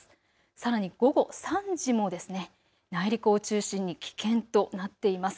さらに午後３時も内陸を中心に危険となっています。